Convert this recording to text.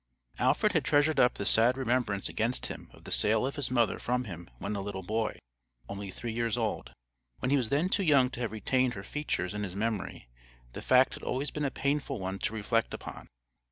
Alfred had treasured up the sad remembrance against him of the sale of his mother from him when a little boy, only three years old. While he was then too young to have retained her features in his memory, the fact had always been a painful one to reflect upon.